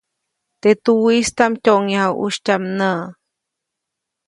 Teʼ tuwiʼistaʼm tyoʼŋyaju ʼusytyaʼm näʼ.